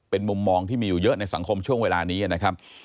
เป็นมุมมองที่มีอยู่เยอะในสังคมช่วงเวลานี้นะครับ